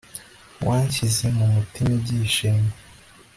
wanshyize mu mutima ibyishimo